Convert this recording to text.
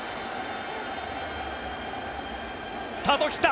スタートを切った！